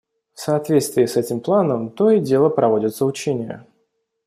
В соответствии с этим планом то и дело проводятся учения.